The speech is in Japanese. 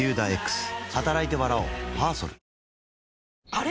あれ？